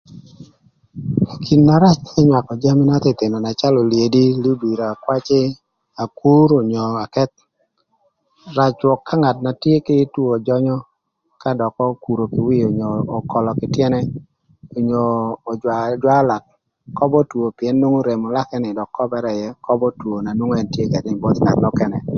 Gin na rac më nywakö jami na thïnöthïnö na calö olyedi, kwacï apor onyo akëth rac rwök ka ngat na tye kï two jönyö ka dökï okuro kï wie onyo ökölö kï tyënë onyo öjwaö ajwalak köbö two pïën nwongo remo lakë ni ököbërë köbö two na nwongo ën tye ködë